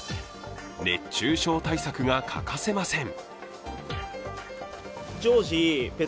熱中症対策が欠かせません。